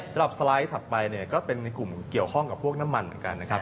สำหรับสไลด์ที่ถัดไปก็เป็นกลุ่มเกี่ยวข้องกับพวกน้ำมันเหมือนกัน